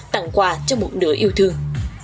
tặng quà cho một nửa yêu thương